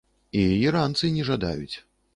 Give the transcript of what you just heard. І іранцы не жадаюць.